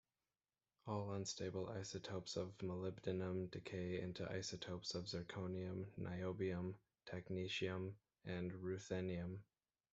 All unstable isotopes of molybdenum decay into isotopes of zirconium, niobium, technetium, and ruthenium.